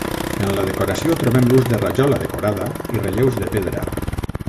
En la decoració trobem l'ús de rajola decorada i relleus de pedra.